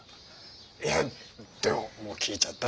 いやでももう聞いちゃったし。